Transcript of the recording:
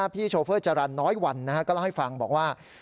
โชเฟอร์จรรย์น้อยวันก็เล่าให้ฟังบอกว่า